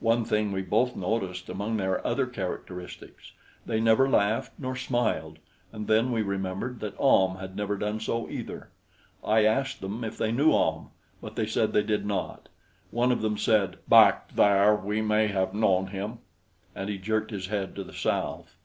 One thing we both noticed among their other characteristics: they never laughed nor smiled; and then we remembered that Ahm had never done so, either. I asked them if they knew Ahm; but they said they did not. One of them said: "Back there we may have known him." And he jerked his head to the south.